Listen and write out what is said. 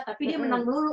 tapi dia menang dulu